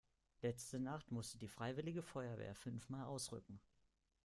Letzte Nacht musste die freiwillige Feuerwehr fünfmal ausrücken.